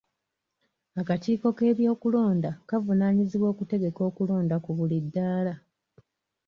Akakiiko k'ebyokulonda kavunaanyizibwa okutegeka okulonda ku buli ddaala.